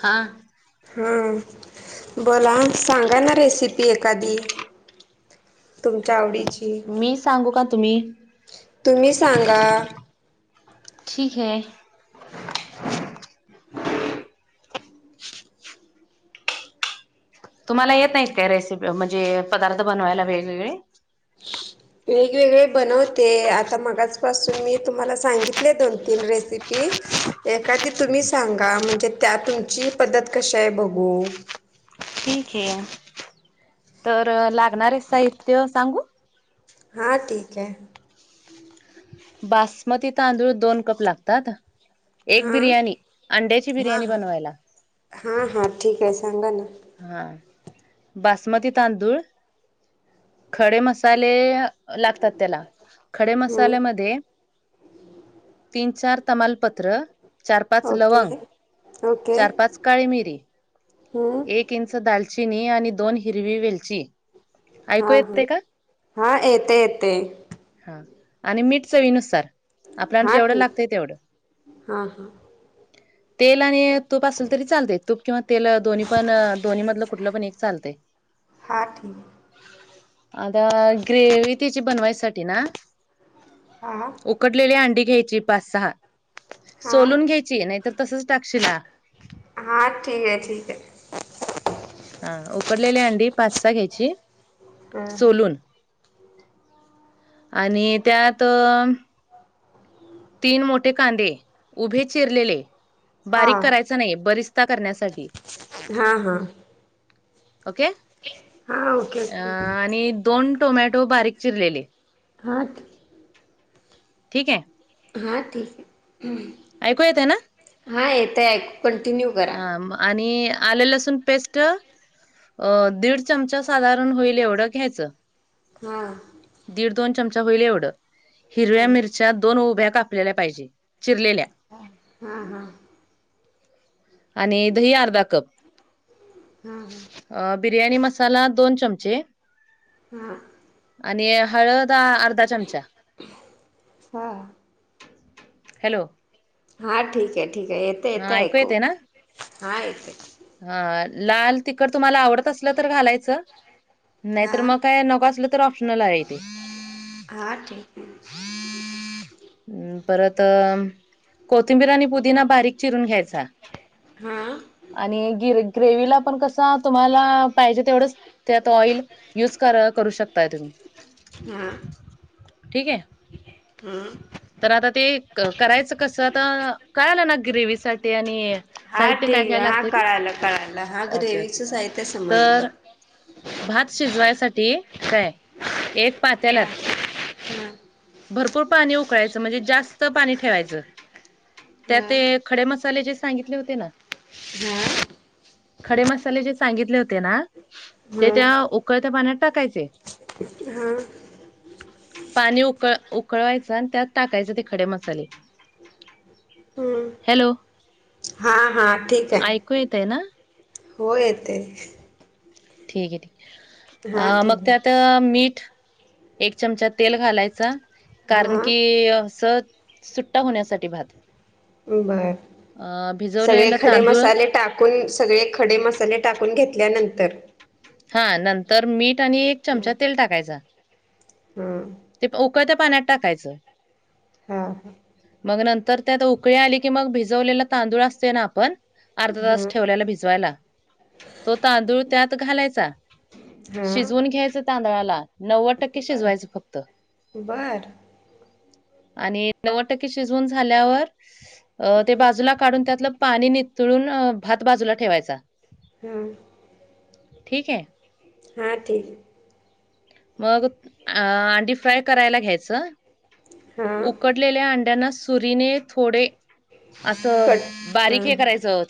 हां हा. बोला सांगा ना रेसिपी एखादी तुमच्या आवडीची मी सांगू का तुम्ही तुम्ही सांगा ठीक आहे. तुम्हाला येत नाहीत. काय रेसिपी म्हणजे पदार्थ बनवायला वेगवेगळे? वेगवेगळे बनवते. आता मगाच पासून मी तुम्हाला सांगित तले. दोन-तीन रेसिपी. एखादी तुम्ही सां गा? त्यात तुमची पद्धत कशी आहे बघू? ठीक आहे तर लागणार साहित्य सांगू? हां, ठीक आहे. बासमती तांदूळ दोन कप लागतात. एक हा बिर्याणी अंड्याची हा बिर्याणी बनवायला. हा हा ठीक आहे. सांगा ना. हा बासमती तांदूळ, खडे मसाले लागतात. त्याला खडे हम्म मसाल्यामध्ये तीन-चार तमालपत्र चार-पाच ओके लवंग, ओके चार-पाच काळी मिरी, हम्म एक इंच दालचिनी आणि दोन हिरवी वेलची, हा ऐकू हा येते का हा येते येते. हा आणि मीठ चवीनुसार आपल्याला हां जेवढं ठीक लागतंय तेवढं, हां हां तेल आणि तूप असेल तरी चालते. तूप किंवा तेल दोन्ही पण दोन्ही मधलं कुठलं पण एक चालतय. हा ठीक आहे. आता ग्रेवी त्याची बनवायसाठी ना. हा उकडलेली अंडी घ्यायची पाच-सहा हां सोलून घ्यायची नाही तर तसच टाकशिला. हां, ठीक आहे. ठीक आहे. हा उकडलेली अंडी पाच सहा घ्यायची. सोलून आणि त्यात तीन मोठे कांदे उभे चिरलेले हां बारीक करायचे नाही. बरिस्ता करण्यासाठी हा हा ओके हां ओके अ ओके आणि दोन टोमॅटो बारीक चिरलेले हा ठीकये. हां ठीकये. ऐकू येतय ना हा येतय ऐकू कंटिन्यू करा हां म आणि आल लसूण पेस्ट अ दीड चमचा साधारण हुईल एवढं घ्यायचं. हा दीड दोन चमचा होईल एवढं हिरव्या हां मिरच्या दोन उभ्या काप पल्याला पाहिजे चिरलेल्या हा हां हां आणि दही अर्धा कप हां हां अ बिर्याणी मसाला दोन चमचे हां आणि हळद आ आर्धा चमचा हां हॅलो हा ठीकय ठीकय येत येत ऐकू हा येतय हा लाल तिखट तुम्हाला आवडत असलं तर घालायचं. हां नायतर म काय नको असलं तर ऑप्शनल आहे तेे हां ठीके हं परत अ कोथिंबीर आणि पुदीना बारीक चिरून घ्यायचा. हां आणि गिर ग्रेवीला पण कसा तुम्हाला पाहिजे तेवढंच त्यात ऑइल युज कर अ करू शकताय तुम्ही हां ठीके. हं तर आता ते क करायचं कसं आता कळालं ना ग्रेवीसाठी आणि हां साहित्य काय ठीक काय आहे हां लागतय ते कळालं कळालं हां ओके ओके ग्रेव्हीचं साहित्य तर समजलं भात शिजवायसाठी काय एक हां पातेल्यात हां भरपूर पाणी उकळायच म्हणजे जास्त पाणी ठेवायचं. त्यात हां ते खडे मसाले जे सांगितले होते ना हां खडे मसाले जे सांगितले होते ना ते हां त्या उकळत्या पाण्यात टाकायचे. हां पाणी ऊकळ ऊकळवाय च अन् त्यात टाकायचं ते खडे मसाले हॅलो हां हां ठीकये. कू येतय ना हो येतय. ठीके ठीके हा अ ठीक मग आहे. त्यात अ मीठ एक चमचा तेल घालायच कारण हा की स सुट्टा होण्यासाठी भात अ [unintelligible] सगळे भिजवलेला खडे तांदूळ मसाले टाक कून सगळे खडे मसाले टाकून घेतल्यानंतर हां. नंतर मीठ आणि एक चमचा तेल टाकायचा. हम्म. ते प उकळ्या पाण्यात टाकायचं. ह ह. मग नंतर त्यात उकळी आली की, मग. भिजवलेल तांदूळ असतोय ना. आपण. अर्धा हा तास ठेवल्याला भिजवायला. तो तांदूळ त्यात घालाय चा. हा हा शिजवून घ्यायच तांदळाला. नव्वद टक्के बर शिजवायचं फक्त. बर. आणि नव्वद टक्के शिजून झाल्यावर. ते बाजूला काढून त्यातलं पाणी नितळून. भात बाजूला ठेवायचा. हम्म ठीके. हा ठीके. मग अंडी फ्राय करायला घ्यायच. हा उकड लेल्या अंड्यांना. सुरीने थोडे असं कट हा बारीक हे करायचं.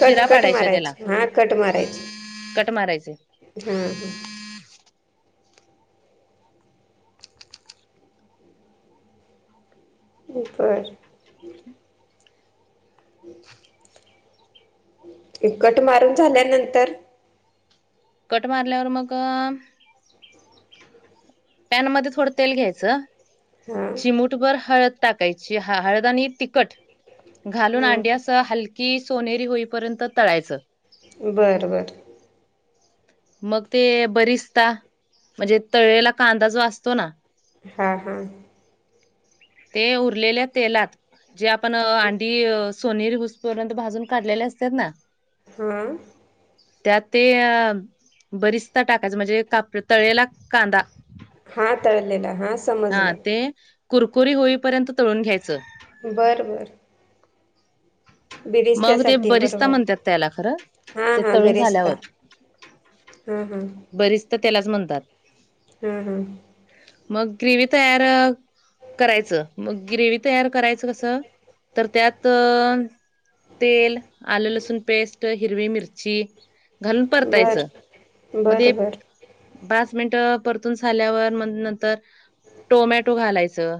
कट चिरा कट पाडायच्या त्याला. मारायचे हा कट मारायचे. ह ह. बर. हम् [inaudible] ते कट मारून झाल्यानंतर. कट मारल्यावर. मग अं पॅन मधे थोडं तेल घ्यायचं. हा चिमूटभर हळद, टाकायची. हा हाळद आणि तिकट. घालून हा आंडी अस हलकी, सोनेरी होईपर्यंत तळायचं. बरं बरं. मग ते बरीचता. म्हणजे तळेला कांदा जो असतो ना. हा हम्म. ते उरलेल्या तेलात. जे आपण अंडी सोनीर हुस पर्यंत. भाजून काढलेले असतात ना. मअ. त्यात ते बरीचदा टाकायच. म्हणजे काप तळेला कांदा. हा तळलेला. हा हा ते कुरकुरी होईपर्यंत तळून घ्यायचं. बरं बरं. मग ते बिरिस्त्यासाठी बरिस्ता बरोबर. म्हणतात त्याला खरं हा ते हा तळून बिरिस्ता. झाल्यावर ह हम्म. बरीस्ता त्यालाच म्हणतात. हम्म हम्म. मग ग्रीवी तयार करायचं. मग ग्रेवी तयार करायचं कसं. तर त्यात तेल, आलं, लसूण पेस्ट. हिरवी मिरची घालून परतायचं. बरं म ते. बरं बरं पाच मिनटं परतून झाल्यावर. म नंतर. टोमॅटो घालायचं.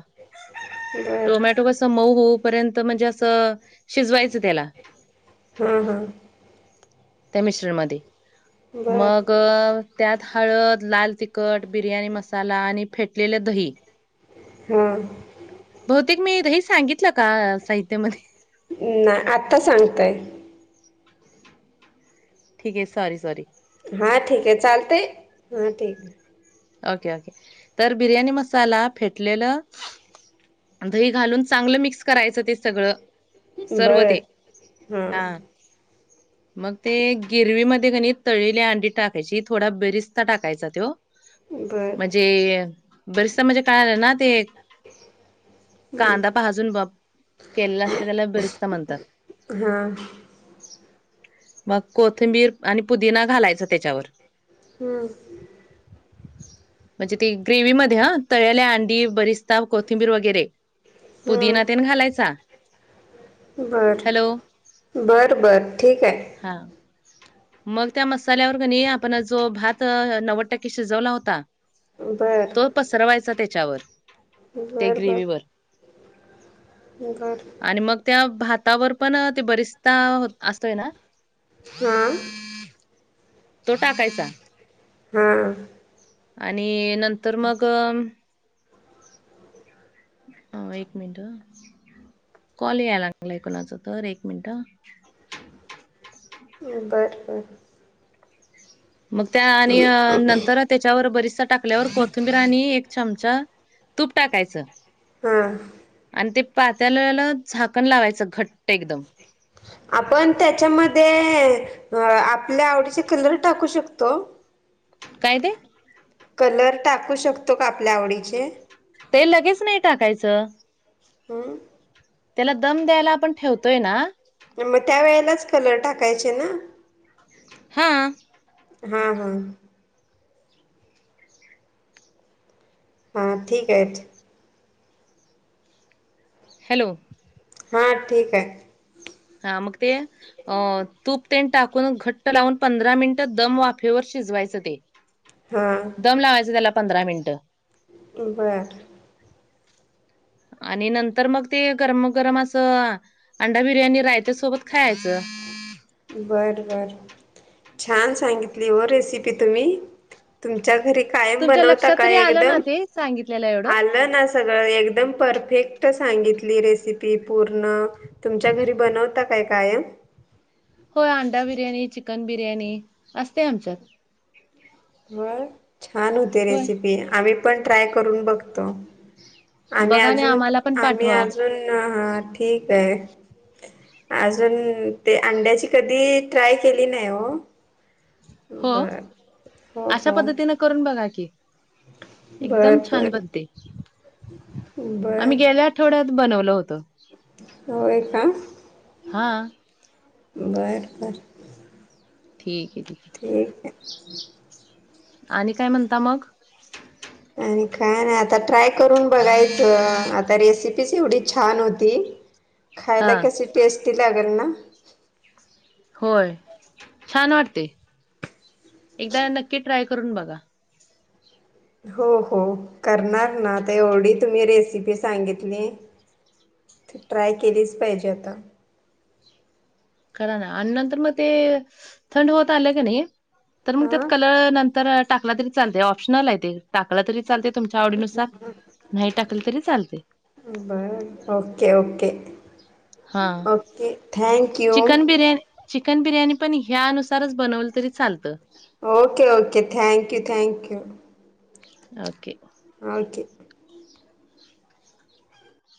बरं टोमॅटो कस मऊ होऊ पर्यंत. म्हणजे असं शिजवायचं त्याला. हम्म हम्म. त्या मिश्रणमध्ये. बरं मग त्यात हळद, लाल तिखट, बिर्याणी मसाला आणि फेटलेलं दही. हम्म. बहतेक मी दही सांगितलं का? साहित्यामध्ये. नाही आत्ता सांगतय ठीक आहे सॉरी सॉरी हा ठीक आहे चालते हा ठीक आहे ओके ओके तर बिर्याणी मसाला फेटलेलं दही घालून चांगलं मिक्स करायचं ते सगळं सर्व बरं ते हा मग ते गिरवीमध्ये कणी तळेली अंडी टाकायची थोडा बेरिस्ता टाकायचा तो बरं म्हणजे बरस म्हणजे काळालं ना ते कांदा पाजून ब केला असते त्याला बिरस्ता म्हणतात हा मग कोथिंबीर आणि पुदिना घालायच त्याच्यावर हम्म म्हणजे ते ग्रेवी मध्ये ह तळल्या अंडी बरीच कोथिंबीर वगैरे पुदीिनातेन घालायचा बर हॅलो बरं बर ठीक आहे हा मग त्या मसाल्यावर नाही आपण जो भात नव्वद टक्के शिजवला होता बरं तो पसरवायचा त्याच्यावर ते बरं बर ग्रेव्हीवर घर आणि मग त्या भातावर पण ते बरिचता असतोय ना हां तो टाकयचा हम आणि नंतर मग अ एक मिनट कॉल यायला लागलंय कोणाच तर एक मिनिट बरं बरं मग त्या आणि नंतरच त्याच्यावर बरीचसा टाकल्यावर कोथिंबीर आणि एक चमचा तूप टाकायचं हां आणि ते पात्यालाला झाकण लावायचं घट्ट एकदम आपण त्याच्यामध्ये आपल्या आवडीचे कलर टाकू शकतो कायदे कलर टाकू शकतो का आपल्या आवडीचे ते लगेच नाही टाकायचं हं त्याला दम द्यायला आपण ठेवतोय ना मग त्या वेळेलाच कलर टाकायचे ना हा हा हा हा ठीक आहे हॅलो हा ठीक आहे हा मग ते अ तूप ते टाकून घट्ट लावून पंधरा मिनिट दम वाफेवर शिजवायचं ते दम लावायचे त्याला पंधरा मिनिटं बर आणि नंतर मग ते गरम गरम असं अंडा बिर्याणी रायत्या सोबत खायचं बरं बर छान सांगितली हो रेसिपी तुम्ही तुमच्या घरी. कायम तुमच्या बनवता लक्षात का तरी आलं ना एकदम? ते सांगितलेलं एवढं आलं न सगळं एकदम परफेक्ट सांगितली रेसिपी पूर्ण. तुमच्या घरी बनवता काय काय? हो अंडा बिर्याणी, चिकन बिर्याणी असते आमच्यात. होय छान होते होय रेसिपी आम्ही पण ट्राय करून बघतो. आम्ही बघा ना अजून, आम्हाला पण आम्ही पाठवा अजून ठीक आहे. अजून ते अंड्याची कधी ट्राय केली नाही हो. हो बर. हो अशा हो पद्धतीने करून बघा की. बर एकदम छान बर बनते बर आम्ही गेल्या थोडाच बनवलं होतं. होय का? हा. बर बर. ठीकय. ठीक आहे. आणि काय म्हणता मग? आणि काय नाय आता ट्राय करून बघायचं आता रेसिपी एवढी छान होती हा खायला कशी टेस्टी लागेल ना. होय छान वाटते एकदा नक्की ट्राय करून बघा. हो हो करणार ना आता एवढी तुम्ही रेसिपी सांगितली. त ट्राय केलीच पाहिजे आता. करा ना आणि नंतर मग ते थंड होत आले का नाही तर मग त्यात हां कलर नंतर. टाकला तरी चालतंय ऑप्शनल आहे ते टाकला तरी चालतय तुमच्या आवडीनुसार नाही टाकले तरी चालतय. बरं ओके, ओके, हा okay thank you. Chicken biryani chicken biryani पण ह्या नुसारच बनवलं तरी चालतं. Okay, okay thank you, thank you. Okay. हा ओके.